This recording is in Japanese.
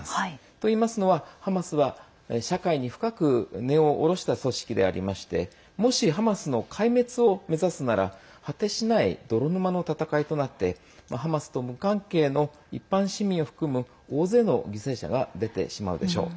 といいますのはハマスは社会に深く根を下ろした組織でありましてもしハマスの壊滅を目指すなら果てしない泥沼の戦いとなってハマスと無関係の一般市民を含む大勢の犠牲者が出てしまうでしょう。